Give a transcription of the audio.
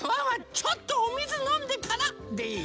ちょっとおみずのんでからでいい？